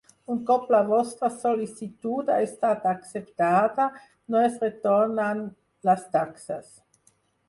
Un cop la vostra sol·licitud ha estat acceptada, no es retornen les taxes.